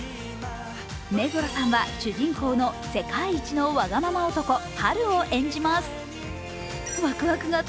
目黒さんは主人公の世界一のワガママ男・ハルを演じます。